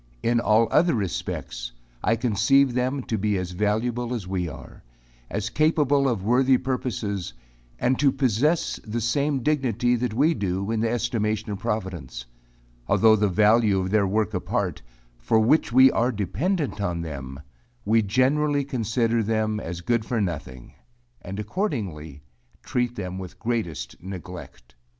In all other respects, I conceive them to be as valuable as we are as capable of worthy purposes, and to possess the same dignity that we do, in the estimation of providence; although the value of their work apart, for which we are dependent on them, we generally consider them as good for nothing, and accordingly, treat them with greatest neglect.